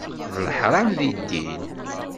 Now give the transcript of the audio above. D leḥram deg ddin.